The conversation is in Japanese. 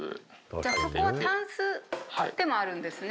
じゃそこはタンスでもあるんですね。